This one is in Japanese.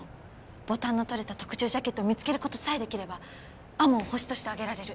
ボタンの取れた特注ジャケットを見つける事さえできれば天羽をホシとして挙げられる！